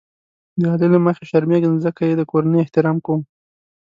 د علي له مخې شرمېږم ځکه یې د کورنۍ احترام کوم.